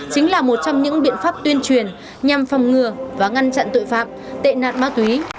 chính là một trong những biện pháp tuyên truyền nhằm phòng ngừa và ngăn chặn tội phạm tệ nạn ma túy một cách hữu hiệu nhất